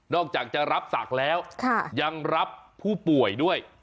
อกจากจะรับศักดิ์แล้วยังรับผู้ป่วยด้วย